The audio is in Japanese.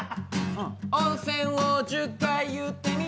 温泉を１０回言ってみて。